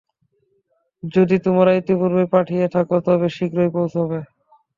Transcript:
যদি তোমরা ইতিপূর্বেই পাঠিয়ে থাকো, তবে শীঘ্রই পৌঁছবে।